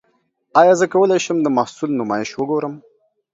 ایا زه کولی شم د محصول نمایش وګورم؟